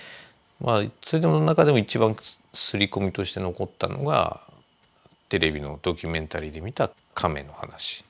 それでも中でも一番すり込みとして残ったのがテレビのドキュメンタリーで見たカメの話。